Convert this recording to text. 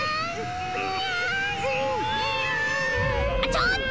ちょっと！